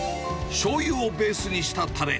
しょうゆをベースにしたたれ。